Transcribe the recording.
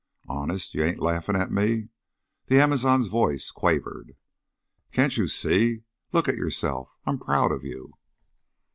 "Honest? You ain't laughin' at me?" The amazon's voice quavered. "Can't you see? Look at yourself. I'm proud of you."